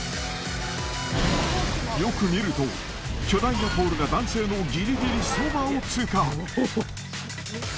よく見ると巨大なポールが男性のギリギリそばを通過。